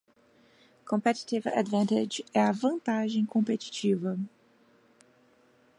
Competitive Advantage é a vantagem competitiva.